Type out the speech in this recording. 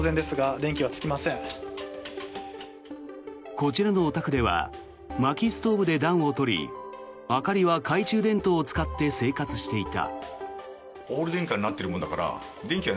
こちらのお宅ではまきストーブで暖を取り明かりは懐中電灯を使って生活していた。